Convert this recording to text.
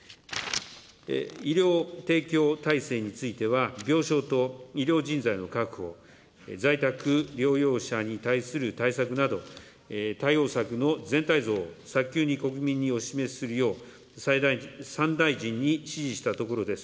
医療提供体制については、病床と医療人材の確保、在宅療養者に対する対策など、対応策の全体像を早急に国民にお示しするよう、３大臣に指示したところです。